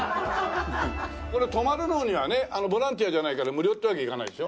これ泊まるのにはねボランティアじゃないから無料ってわけにいかないでしょ？